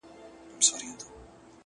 • د رحمن بابا شعر ولي تر اوسه ژوندی دی؟ ,